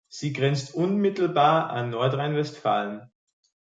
Sie grenzt unmittelbar an Nordrhein-Westfalen.